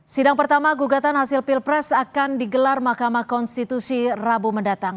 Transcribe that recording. sidang pertama gugatan hasil pilpres akan digelar mahkamah konstitusi rabu mendatang